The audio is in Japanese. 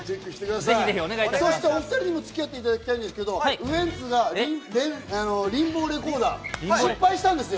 お２人にもつき合っていただきたいんですけど、ウエンツがリンボーリコーダー失敗したんですよ。